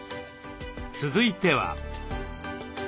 続いては。